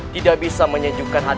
tidak bisa menyejukkan hatimu